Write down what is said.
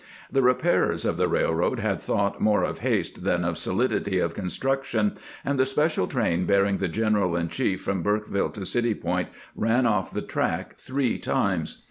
The repairers of the railroad had thought more of haste than of solidity of construction, and the special train bearing the general in chief from Burkeville to City Point ran off the track three times.